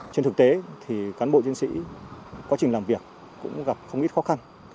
trên thực tế thì cán bộ chiến sĩ quá trình làm việc cũng gặp không ít khó khăn